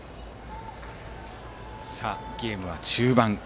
ゲームは中盤。